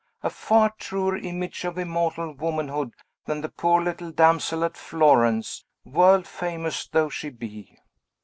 A far truer image of immortal womanhood than the poor little damsel at Florence, world famous though she be."